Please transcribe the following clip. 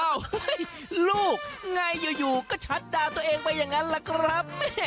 เฮ้ยลูกไงอยู่ก็ชัดด่าตัวเองไปอย่างนั้นล่ะครับ